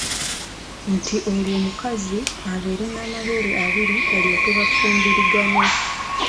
Nti olwo omukazi abeere n'amabeere abiri balyoke bafumbiriganwe.